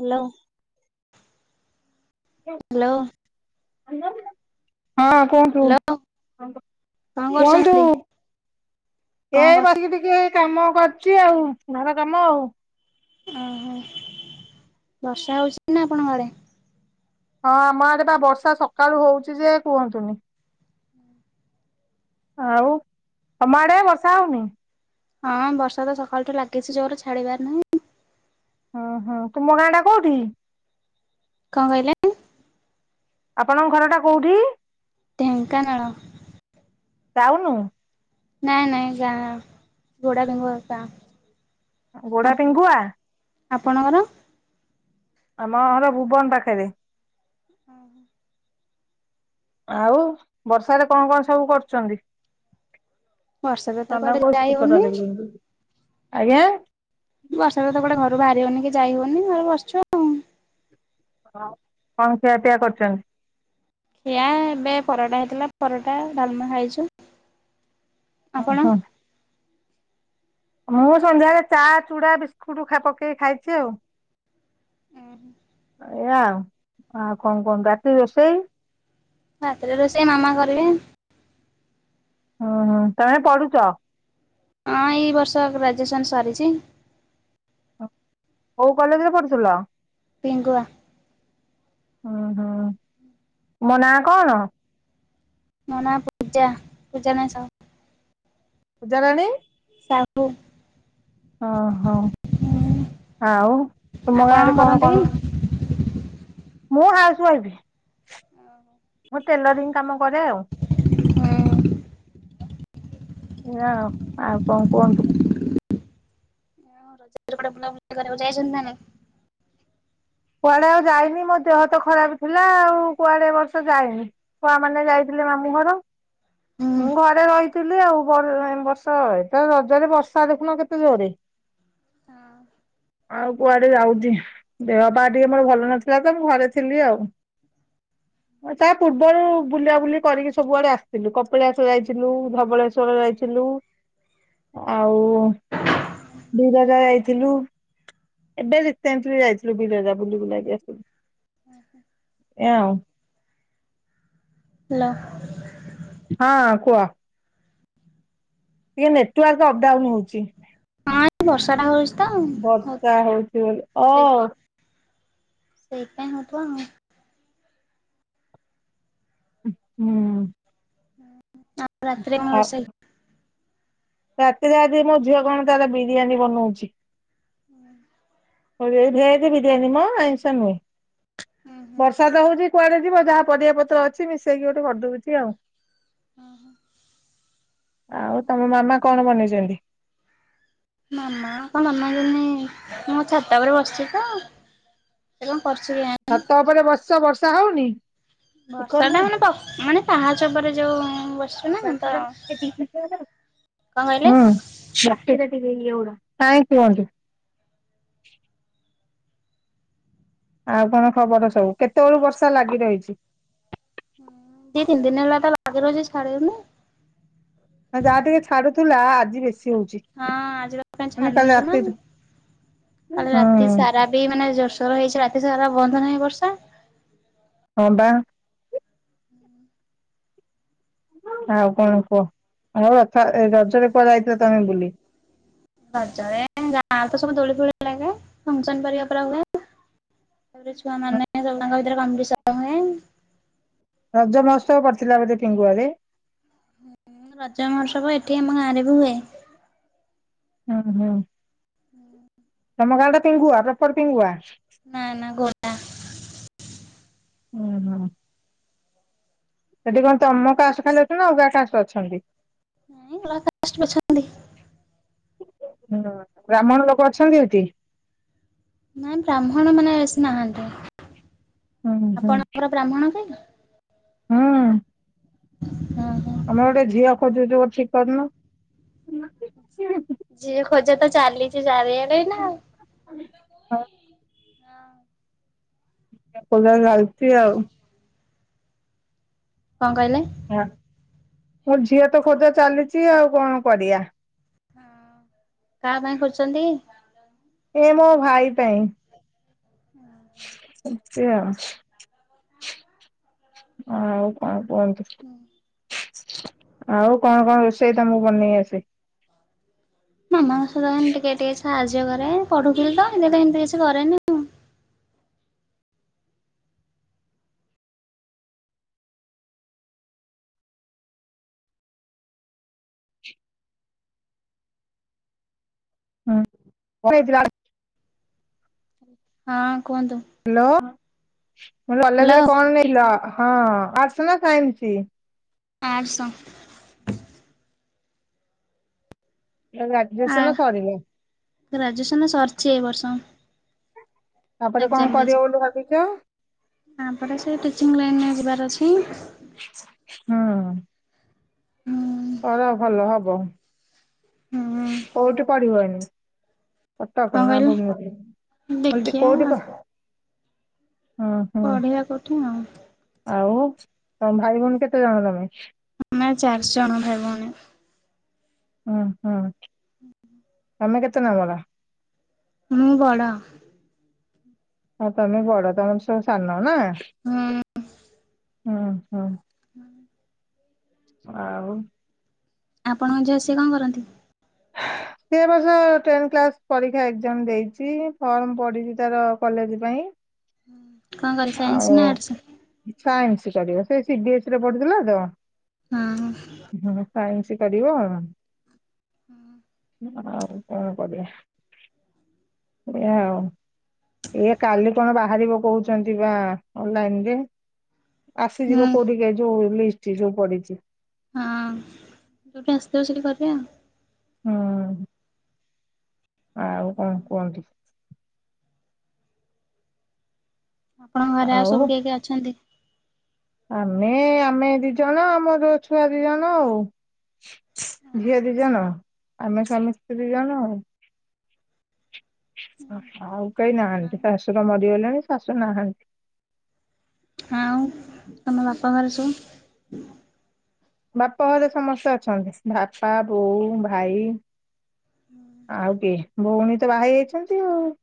Hello. Hello. ହଁ କୁହନ୍ତୁ। Hello ନ୍ତୁ କଣ କୁହନ୍ତୁ କରୁଛନ୍ତି କଣ ଏ କରୁ ବସିକି ଟିକେ। କାମ କରୁଛି ଆଉ ଘର କାମ ଆଉ। ଓହୋ ବର୍ଷା ହଉଛି ନା ଆପଣଙ୍କ ଆଡେ? ହଁ ଆମ ଆଡେ ବା ବର୍ଷା ସକାଳୁ ହଉଛି ଯେ କୁହନ୍ତୁନି। ଆଉ ତମ ଆଡ଼େ ବର୍ଷା ହଉନି? ହଁ ବର୍ଷା ତ ସକାଳୁଠୁ ଲାଗିଚି ଜୋରେ ଛାଡିବାର ନାହିଁ। ଓହୋ ତୁମ ଗାଁ ଟା କୋଉଠି? କଣ କହିଲେ? ଆପଣଙ୍କ ଘରଟା କୋଉଠି? ଢେଙ୍କାନାଳ। ଟାଉନୁ? ନାଇଁ ନାଇଁ ଗାଁ। ଗୋଡ଼ା ପେଙ୍ଗୁଆ ଗାଁ। ଗୋଡା ପିଙ୍ଗୁଆ? ଆପଣଙ୍କର? ଆମ ଘର ଭୁବନ ପାଖେରେ। ଓହୋ। ଆଉ ବର୍ଷାରେ କଣ କଣ ସବୁ କରୁଛନ୍ତି? ବର୍ଷାରେ ତ କୁଆଡେ ଯାଇ ହଉନି ଆଜ୍ଞା। ବର୍ଷାରେ ତ କୁଆଡେ ଘରୁ ବାହାରି ହଉନି କି ଯାଇ ହଉନି ଘରେ ବସଛୁ। ହଁ, କଣ ଖିଆ ପିଆ କରିଛନ୍ତି? ଖିଆ ଏବେ ପରଟା ହେଇଥିଲା ପରଟା ଡାଲମା ଖାଇଛୁ। ଆପଣ? ଅଁ ହଁ। ମୁଁ ସନ୍ଧ୍ୟାବେଳେ ଚା, ଚୁଡା, ବିସ୍କୁଟ ଖା ପକେଇ ଖାଇଛି ଆଉ। ଉଁ ହୁଁ। ଏଇଆ ଆଉ ଆଉ କଣ କୁହନ୍ତୁ? ରାତିକି ରୋଷେଇ? ରାତିରେ ରୋଷେଇ ମାମା କରିବେ। ଉଁହୁଁ, ତମେ ପଢୁଛ? ହଁ, ଏଇ ବର୍ଷ ଗ୍ରାଜୁଏସନ୍ ସାରିଛି। କୋଉ କଲେଜରେ ପଢୁଥିଲ? ପିଙ୍ଗୁଆ। ଉଁ, ହୁଁ ତୁମ ନାଁ କଣ? ମୁଁ ନାଁ ପୂଜା। ପୂଜାରାଣୀ ସାହୁ। ପୂଜାରାଣୀ ସାହୁ। ଅଁ ହଁ, ଆଉ ତୁମ ଆପଣ ଗାଁରେ କଣ କରନ୍ତି କି? କଣ ମୁଁ ହାଉସୱାଇଫ୍, ମୁଁ ଟେଲରିଂ କାମ କରେ ଆଉ, ଏଇଆ ଆଉ। ଆଉ କଣ କୁହନ୍ତୁ? ହଁ ରଜରେ କୁଆଡେ ବୁଲାବୁଲି କରିବାକୁ ଯାଇଛନ୍ତି ନା ନାଇଁ? କୁଆଡେ ଆଉ ଯାଇନି। ମୋ ଦେହ ତ ଖରାପ ଥିଲା ଆଉ କୁଆଡେ ଏ ବର୍ଷ ଯାଇନି। ଛୁଆମାନେ ଯାଇଥିଲେ ମାମୁଁ ଘର। ହୁଁ। ମୁଁ ଘରେ ରହିି ଥିଲି ଆଉ ବର୍ ଏ ବର୍ଷ। ଏଇତ ରଜରେ ବର୍ଷା ଦେଖୁନ କେତେ ଜୋରରେ। ହଁ। ଆଉ କୁଆଡେ ଯାଉଛି। ଦେହ ପାହ ଟିକେ ମୋର ଭଲ ନଥିଲା ତ ମୁଁ ଘରେ ଥିଲି ଆଉ। ତା ପୂର୍ବରୁ ବୁଲାବୁଲି କରିକି ସବୁଆଡେ ଆସିଥିଲୁ। କପିଳାଶ ଯାଇଥିଲୁ, ଧବଳେଶ୍ୱର ଯାଇଥିଲୁ। ଆଉ ବିରଜା ଯାଇଥିଲୁ। ଏବେ ରିସେଣ୍ଟଲି ଯାଇଥିଲୁ ବିରଜା ବୁଲି ବୁଲା କି ଆସିଥିଲୁ। ଏଇଆ ଆଉ। ହେଲୋ। ହଁ କୁହ। ଟିକେ ନେଟୱାର୍କ ଅପଡାଉନ ହଉଛି। ହଁ ବର୍ଷା ଟା ହଉଛି ତ ହ ବର୍ଷା ହଉଛି ବୋଲି ଓ ସେଇଥିପାଇଁ। ସେଇପାଇଁ ହବ ଆଉ। ହୁଁ ହୁଁ। [unintelligible] ଆଉ ରାତିରେ କଣ ଆଉ ରୋଷେଇ? ରାତିରେ ଆଜି ମୋ ଝିଅ କଣ ତାର ବିରିୟାନୀ ବନଉଚି। ହୁଁ। କରିବା ଭେଜ୍ ବିରିୟାନୀ ମ ଆଇଁଷ ନୁହେଁ ବର୍ଷା ତ ହୋଉଚି କୁଆଡେ ଯିବ ଯାହା ପରିବାପତ୍ର ଅଛି ମିଶେଇକି ଗୋଟେ କରିଦଉଚି ଆଉ। ଓଁ ହୋ। ଆଉ ତମ ମାମା କଣ ବନେଇଚନ୍ତି? ମାମା କଣ ମାମା ଜନି ମୁଁ ଛାତ ଉପରେ ବସିଚି ତ। [unintelligible] ଛାତ ଉପରେ ବସିଚ ବର୍ଷା ହଉନି? କାଇଁ ବର୍ଷା ଟା ମାନେ ମାନେ ପାହାଚ ଉପରେ ଯୋଉ ବର୍ଷା [unintelligible] କଣ କହିଲେ ହୁଁ। [unintelligible] ଆଉ କଣ ଖବର ସବୁ କେତେବେଳୁ ବର୍ଷା ଲାଗି ରହିଛି? ଦିିି ତିନି ଦିନ ହେଲା ତ ଲାଗିରହିଛି ଛାଡୁନି। ଯାହା ଟିକେ ଛାଡୁଥିଲା ଆଜି ବେଶୀ ହଉଛି। ହଁ ଆଜି ତା [unintelligible] ମାନେ ଛାଡୁନି କାଲି ରାତିରୁ [unintelligible] ରାତି ହୁଁ ସାରା ଏ ମାନେ ଜୋସୋର ହେଇଛି ରାତି ସାରା ବନ୍ଦ ନାହିଁ ବର୍ଷା। ହଁ ବା। ଆଉ କଣ କୁହ ଆଉ ରଥ ରଜରେ କୁଆଡେ ଯାଇଥିଲା ତମେ ବୁଲି? ରଜରେ ଗାଁ ତ ସବୁ ଦୋଳି ଫୋଳି ଲାଗେ ଫସନ ପରିକା ପୁରା ହୁଏ। ତାପରେ ଛୁଆ ମାନେ ସବୁ ତାଙ୍କ ଭିତରେ କମ୍ପୀଡିସନ୍ ହୁଏ। ରଜ ମହଉତ୍ସବ ପଡିଥିଲା ବୋଧେ ପିଙ୍ଗୁଆରେ? ରଜ ମହୋତ୍ସବ ଏଠି ଆମ ଗାଁରେ ବି ହୁଏ। ହୁଁ ହୁଁ। ତମଗାଁ ଟା ପିଙ୍ଗୁଆ ପ୍ରପର ପିଙ୍ଗୁଆ? ନା ନା ଘ ହୁଁ ହଁ। ସେଠି କଣ ତମ କାଷ୍ଟ ଖାଲି ଅଛି ନା ଅଲଗା କାଷ୍ଟ ଅଛନ୍ତି। [unintelligible] ହୁଁ ବ୍ରାହ୍ମଣ ଲୋକ ଅଛନ୍ତି ହେଠି? ନାଇଁ ବ୍ରାହ୍ମଣ ମାନେ ବେଶୀ ନାହାନ୍ତି ହୁଁ ହୁଁ ଆପଣଙ୍କର ବ୍ରାହ୍ମଣ କି? ହୁଁ। ହଁ ହଁ। ଆମର ଗୋଟେ ଝିଅ ଖୋଜୁଛୁ ଠିକ୍ କରୁନ। ଝିଅ ଖୋଜା ତ ଚାଲିଚି ଚାରିଆଡେ ନା। ହୋଉ। ହଁ ଆଉ। ସେଇ ଭଳି ଚାଲିଛି ଆଉ। କଣ କହିଲେ? ହଁ ମୋ ଝିଅ ତ ଖୋଜା ଚାଲିଚି ଆଉ କଣ କରିବା। ହଁ କାହା ପାଇଁ କରିଚନ୍ତି? ଏ ମୋ ଭାଇ ପାଇଁ। ହୁଁ। ଏମିତି ଆଉ ଆଉ କଣ କୁହନ୍ତୁ? ଆଉ କଣ କଣ ରୋଷେଇ ତମକୁ ବନେଇ ଆସେ? ମାମାଙ୍କ ସହିତ ମାନେ ଟିକେ ଟିକେ ସାହାଯ୍ୟ କରେ ପଢୁଥିଲି ତ ହେତି ପାଇଁ ଏମତି କିଛି କରେନି। ଆଉ। ହୁଁ [unintelligible] ହଁ କୁହନ୍ତୁ? ହାଲୋ କଲେଜରେ ହ୍ୟାଲୋ କଣ ନେଇଥିଲ ହଁ ଆର୍ଟସ୍ ନା ସାଇନ୍ସି? ଆର୍ଟସ ଆ ଗ୍ରାଯୁଏସନ ସରିନି। ଗ୍ରାଜୁଏସନ ସରିଛି ଏ ବର୍ଷ। ତାପରେ କଣ କରିବ ବୋଲି ଭାବିଛ? ତା ପରେ ସେ ଟିଚିଂ ଲାଇନରେ ଯିବାର ଅଛି। ହୁଁ। ପଢ ଭଲ ହବ ହୁଁ। କୋଉଠି ପଢିବ ଏଇନୁ? କଟକ କଣ ନା କହିଲେ ଭୁବନେଶ୍ୱର ଦେଖିଆ କୋଉଠି ଆଉ ହୁଁ ହୁଁ ପଢିବା କଉଠି ଆଉ। ଆଉ ତମେ ଭାଇ ଭଉଣୀ କେତେ ଜଣ ତମେ? ଆମେ ଚାରି ଜଣ ଭାଇ ଭଉଣୀ। ହୁଁ ହୁଁ ତମେ କେତେ ନମ୍ୱର? ମୁଁ ବଡ଼। ହଁ ତମେ ବଡ ତମଠୁ ସବୁ ସାନ ନା? ହୁଁ। ଓହୋ। ଆଉ? ଆପଣଙ୍କ ଝିଅ ସିଏ କଣ କରନ୍ତି? ସେ ବର୍ଷ ଟେନ କ୍ଲାସ ପରୀକ୍ଷା ଏକ୍ସଜାମ ଦେଇଛି ଫର୍ମ ପଡିଛି ତାର କଲେଜ ପାଇଁ କଣ କରେ ସାଇନ୍ସ ଆଉ ନା ଆର୍ଟସ? ସାଇନ୍ସ କରିବ ସେ ସି ବି ଏସ ପଢୁଥିଲା ତ ହଁ। ହୁ ସାଇନ୍ସ କରିବ ହୁଁ। ଆଉ କଣ କରିବା। ଏଇଆ ଆଉ କାଲି କଣ ବାହାରିବ କହୁଛି କହୁଛନ୍ତି ଵା ଅଲନାଇନ ରେ ହୁଁ ଆସିଯିବ କୋଉଠିକ ଯୋଉ ଲି ଚିରୁ ପଡିଛି। ହଁ ଯୋଉଠି ଆସୁଥିବ ସେଇଠି କରିବା ଆଉ। ହଁ। ଆଉ କଣ କୁହନ୍ତୁ? ଆପଣଙ୍କ ଘରେ ଆଉ ସବୁ କିଏ କିଏ ଅଛନ୍ତି? ଆମେ ଆମେ ଦି ଜଣ ଆମର ଛୁଆ ଦି ଜଣ ଆଉ। ଝିଅ ଦି ଜଣ ଆମେ ସ୍ୱାମୀ ସ୍ତ୍ରୀ ଦି ଜଣ ଆଉ। ଆଉ କେହି ନାହାନ୍ତି ଶଶୁର ମରିଗଲେଣି ଶାଶୁ ନାହାନ୍ତି। ଆଉ ତମ ବାପା ଘରେ ସବୁ? ବାପ ଘରେ ସମସ୍ତେ ଅଛନ୍ତି ବାପା ବୋଉ ଭାଇ ଆଉ କିଏ ଭଉଣୀ ତ ବାହା ହେଇଯାଇଛନ୍ତି ଆଉ।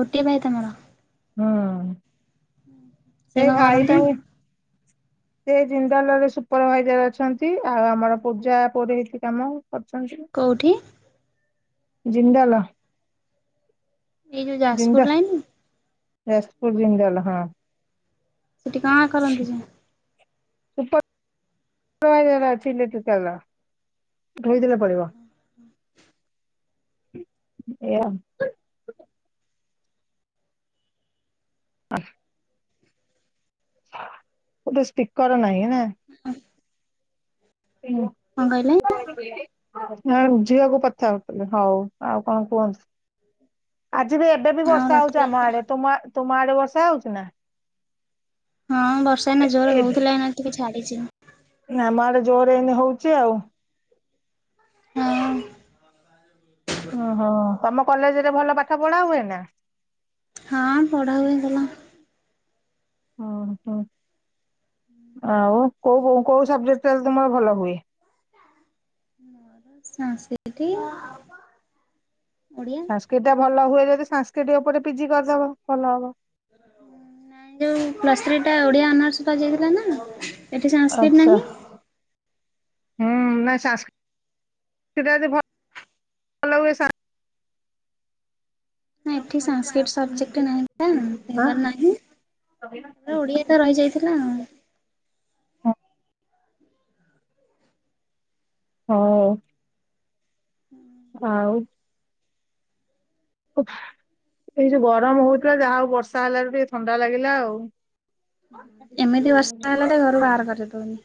ଗୋଟିଏ ଭାଇ ତମର? ହଁ ସେ ସେଇ କଣ ଭାଇ କରନ୍ତି? ପାଇଁ [unintelligible] ସେ ଜିନ୍ଦଲ ରେ ସୁପରଭାଇଜର ଅଛନ୍ତି ଆଉ ଆମର ପୂଜା ପୁରହିତ କାମ କରୁଛନ୍ତି। କୋଉଠି? ଜିନ୍ଦଲ। ଏଇ ଯୋଉ ଯାଜପୁର ଜିନ୍ଦାଲ ଲାଇନି? ଯାଜପୁର ଜିନ୍ଦଲ ହଁ। ସେଠି କଁ କରନ୍ତି [unintelligible] ସୁପ ସୁପରଭାଇଜର ଥିଲେ ତୁ ତାଲ। ଧୋଇଦଲେ ପଡିବ ଏଇଆ ଆଉ। ଆ। ଗୋଟେ ସ୍ପିକର ନାହିଁ ନା। [unintelligible] [unintelligible] କଣ କହିଲେ? ପାଇଲା। ହଁ ଯିବାକୁ କଥା ହଉଥିଲେ ହଉ ଆଉ କଣ କୁହନ୍ତୁ, ଆଜି ବି ଏବେ ବି ଆଉ ବର୍ଷା ହଉଚି ଆମ ରଥଯାତ୍ରା ଆଡେ, ତୁମା ତୁମ ଆଡେ ବର୍ଷା ହଉଚି ନା? ହଁ ବର୍ଷା ଏଇନା ଜୋର ହଉଥିଲା ଏଇନା ଟିକେ ଛାଡିଚି। ଆମ ଆଡେ ଜୋର ଏଇନେ ହଉଚି ଆଉ। ହଁ। ଓହୋ ତମ କଲେଜରେ ଭଲ ପାଠ ପଢା ହୁଏନା? ହଁ ପଢା ହୁଏ ଭଲ। ଅ ହ ଆଉ କୋଉ କୋଉ ସବଜେକ୍ଟଟରେ ତୁମର ଭଲ ହୁଏ? ମୋର ସାଂସ୍କ୍ରିଟି, ଓଡ଼ିଆ। କିଟା ଭଲ ହୁଏ ଯଦି ସାଂସ୍କ୍ରିଟି ଉପରେ ପି ଜି କରିଦବ ଭଲ ହବ। ନାଇଁ ଯୋଉ ପ୍ଲସ୍ ଥ୍ରୀ ଟା ଓଡ଼ିଆ ଅନର୍ସ ପା ଯାଇଥିଲା ନା ଏଠି ସାଂସ୍କ୍ରିଟ ଆଚ୍ଛା, ନାହିଁ। ହୁଁ ନାଇ ସାଂସ୍କ୍ରିଟ ଟା ଯଦି ଭ ଭଲ ପଇସା ନା ଏଠି ସାଂସ୍କ୍ରିଟ ସବଜେକ୍ଟ ନାହିଁ ନା, ଫିଙ୍ଗର୍ ନାହିଁ, ଓଡ଼ିଆ ଟା ରହିଯାଇଥିଲା। ହଁ। ହ। ହୁଁ। ଆଉ। ଉଃ ଏଇ ଯୋଉ ଗରମ ହଉଥିଲା ଯାହା ହଉ ବର୍ଷା ହେଲାରୁ ଟିକେ ଥଣ୍ଡା ଲାଗିଲା ଆଉ। ଏମିତି ବର୍ଷା ହେଲା ଟିକେ ଘରୁ ବାହାର କରେଇ ଦଉନି।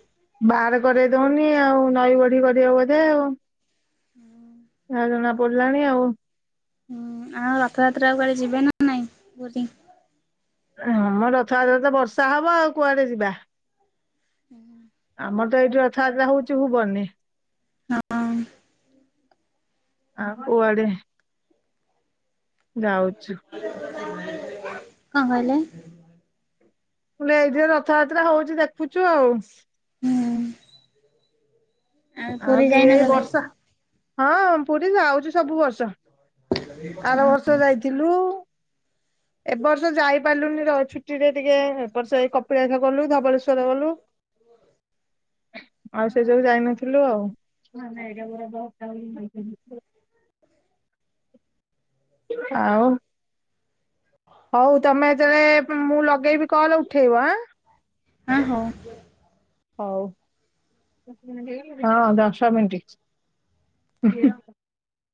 ବାହାର କରେଇ ଦଉନି ଆଉ, ନଈବଢି କରିବ ବୋଧେ ଆଉ। ଯାହା ଜଣା ପଡ଼ିଲାଣି ଆଉ। ହୁଁ ଆଉ ରଥଯାତ୍ରାକୁ କୁଆଡେ ଯିବେ ନା ନାଇଁ ପୁରୀ? ହଁ ମ ରଥଯାତ୍ରାରେ ତ ବର୍ଷା ହବ ଆଉ କୁଆଡେ ଯିବା। ହୁଁ। ଆମର ତ ଏଇଠି ରଥଯାତ୍ରା ହଉଛି ଭୁବନରେ। ହଁ। କୁଆଡେ ଯାଉଛୁ। କଁ କହିଲେ? ମୁଁ କହିଲି ଏଇଠି ଯୋଉ ରଥଯାତ୍ରା ହଉଛି ଦେଖୁଚୁ ଆଉ। ହୁଁ। ଆଉ ପୁରୀ କିଏ ଯାଇନ ଏଇ କେବେ? ବର୍ଷା ହଁ ପୁରୀ ଯାଉଚି ସବୁ ବର୍ଷ, ଆର ବ ର୍ଷ ଯାଇଥିଲୁ, ଏ ବର୍ଷ ଯାଇପାଇଲୁନି ର [unintelligible] ଛୁଟିରେ ଟିକେ ଏବର୍ଷ ଏଇ କପିଳାସ ଗଲୁ ଧବଳେଶ୍ୱର ଗଲୁ। ଆଉ ସେ ଯୋଗୁ ଯାଇନଥିଲୁ ଆଉ। ଆଉ? ହୋଉ ତମେ ଯେତେବେଳେ ମୁଁ ଲଗେଇବି କଲ ଉଠେଇବ ଆଁ। ହଁ ହୋଉ। ହୋହ ହଁ ଦଶ ମିଣ୍ଟି।